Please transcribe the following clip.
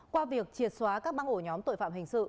qua việc triệt xóa các băng ổ nhóm tội phạm hình sự